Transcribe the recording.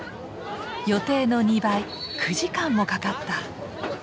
予定の２倍９時間もかかった。